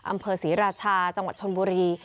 อำเภอศรีราชาจังหวัดชนบุรี